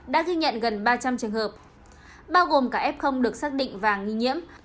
đã ghi nhận gần ba trăm linh trường hợp bao gồm cả f được xác định và nghi nhiễm